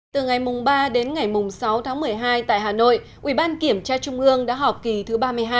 từ ngày ba đến ngày sáu tháng một mươi hai tại hà nội ủy ban kiểm tra trung ương đã họp kỳ thứ ba mươi hai